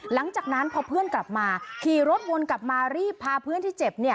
หลังจากนั้นพอเพื่อนกลับมาขี่รถวนกลับมารีบพาเพื่อนที่เจ็บ